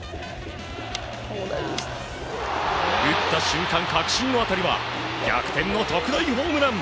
打った瞬間、確信の当たりは逆転の特大ホームラン！